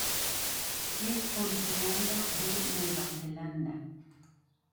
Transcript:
Es originaria de Nueva Zelanda.